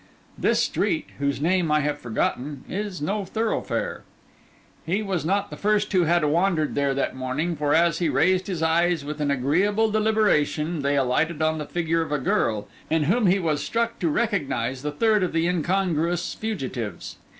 This street, whose name I have forgotten, is no thoroughfare. He was not the first who had wandered there that morning; for as he raised his eyes with an agreeable deliberation, they alighted on the figure of a girl, in whom he was struck to recognise the third of the incongruous fugitives.